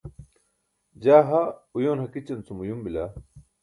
jaa ha uyoon hakićan cum uyum bila